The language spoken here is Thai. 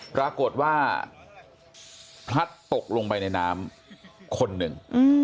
ปรากฏว่าพลัดตกลงไปในน้ำคนหนึ่ง